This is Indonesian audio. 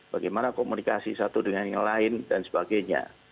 bagaimana komunikasi satu dengan yang lain dan sebagainya